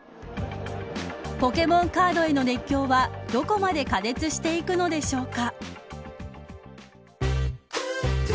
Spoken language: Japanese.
ポケモンカードへの熱狂はどこまで過熱していくのでしょうか。